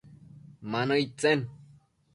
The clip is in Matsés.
Ma nëid tsen ?